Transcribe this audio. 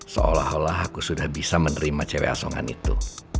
seolah olah aku sudah bisa menerima cewek asongan itu